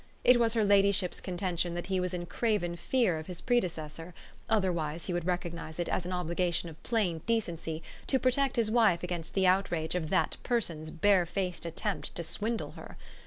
It was her ladyship's contention that he was in craven fear of his predecessor otherwise he would recognise it as an obligation of plain decency to protect his wife against the outrage of that person's barefaced attempt to swindle her.